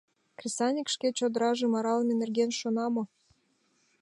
Кресаньык шке чодыражым аралыме нерген шона мо?